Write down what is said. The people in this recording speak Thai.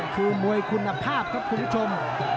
คือมวยคุณภาพครับคุณผู้ชม